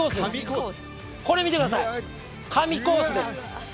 これ見てください、神コースです！